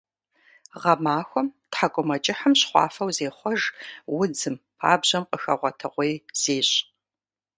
Гъэмахуэм тхьэкIумэкIыхьым щхъуафэу зехъуэж, удзым, пабжьэм къыхэгъуэтэгъуей зещI.